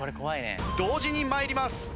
同時に参ります。